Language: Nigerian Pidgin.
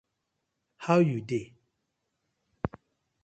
How yu dey?